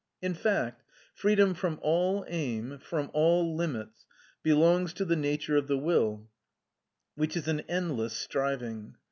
In fact, freedom from all aim, from all limits, belongs to the nature of the will, which is an endless striving.